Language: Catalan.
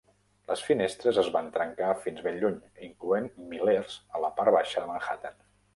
Les finestres es van trencar fins ben lluny, incloent milers a la part baixa de Manhattan.